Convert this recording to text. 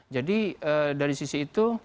jadi dari sisi itu